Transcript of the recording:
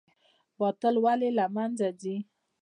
باطل ولې له منځه ځي؟